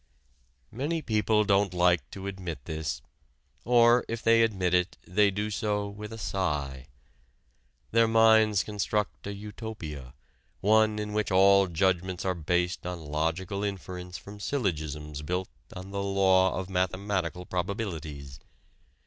Many people don't like to admit this. Or if they admit it, they do so with a sigh. Their minds construct a utopia one in which all judgments are based on logical inference from syllogisms built on the law of mathematical probabilities.